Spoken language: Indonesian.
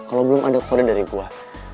kalau belum ada kode dari buah